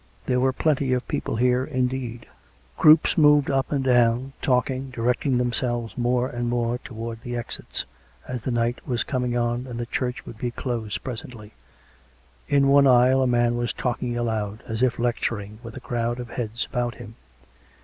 There were plenty of people here^ indeed: groups moved up and down^ talking, directing themselves more and more towards the exits, as the night was coming on and the church would be closed presently; in one aisle a man was talking aloud, as if lec turing, with a crowd of heads about him.